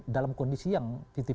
dalam kondisi yang lima puluh lima puluh